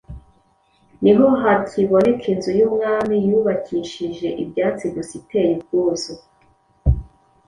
Ni ho hakiboneka inzu y’umwami yubakishije ibyatsi gusa iteye ubwuzu!